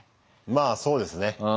まあそうですね。